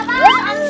aduh aduh aduh aduh